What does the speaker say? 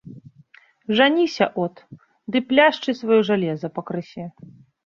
Жаніся от, ды пляшчы сваё жалеза пакрысе.